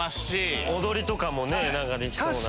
踊りとかもねできそうな。